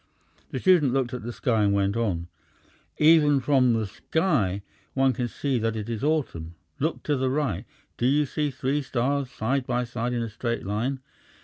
The student looked at the sky and went on: "Even from the sky one can see that it is autumn. Look to the right. Do you see three stars side by side in a straight line?